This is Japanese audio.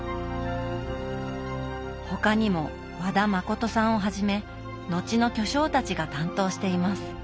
他にも和田誠さんをはじめ後の巨匠たちが担当しています。